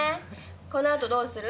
このあとどうする？